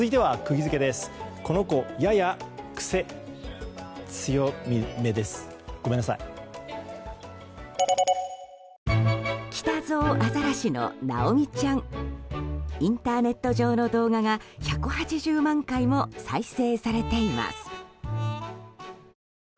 インターネット上の動画が１８０万回も再生されています。